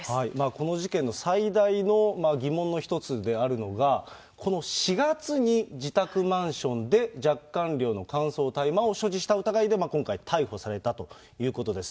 この事件の最大の疑問の一つであるのが、この４月に自宅マンションで若干量の乾燥大麻を所持した疑いで今回、逮捕されたということです。